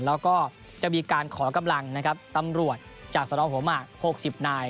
แล้วก็จะมีการขอกำลังนะครับตำรวจจากสนหัวหมาก๖๐นาย